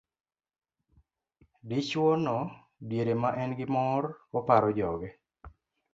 Dichwo no diere ma en gi mor, oparo joge